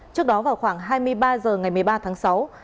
trước đó vào khoảng hai mươi ba h ngày một mươi ba tháng sáu